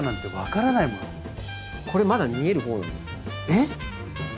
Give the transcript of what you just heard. えっ！？